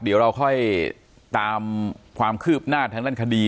เดี๋ยวเราค่อยตามความคืบหน้าทางด้านคดี